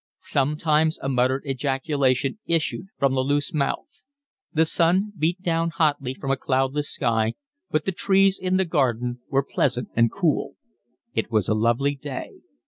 Sometimes a muttered ejaculation issued from the loose mouth. The sun beat down hotly from a cloudless sky, but the trees in the garden were pleasant and cool. It was a lovely day.